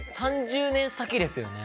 ３０年先ですよね？